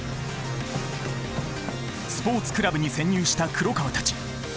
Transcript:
スポーツクラブに潜入した黒川たち。